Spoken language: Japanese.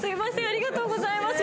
ありがとうございます。